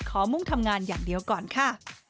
มุ่งทำงานอย่างเดียวก่อนค่ะ